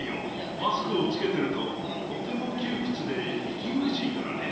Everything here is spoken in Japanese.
マスクを着けてると、とても窮屈で息苦しいからね。